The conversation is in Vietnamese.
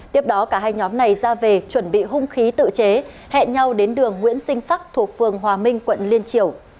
tiếp đó cả hai nhóm này ra về chuẩn bị hung khí tự chế hẹn nhau đến đường nguyễn sinh sắc thuộc phường hòa minh quận liên triều